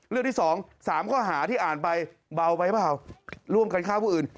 ที่สองสามข้อหาที่อ่านไปเบาไว้เปล่าร่วมกันฆ่าผู้อื่น